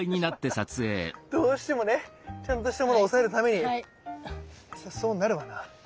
どうしてもねちゃんとしたものを押さえるためにそりゃそうなるわな。